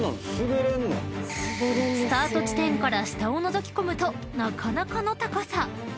［スタート地点から下をのぞき込むとなかなかの高さ］